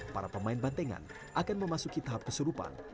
para pemain bandengan akan memasuki tahap keseluruhan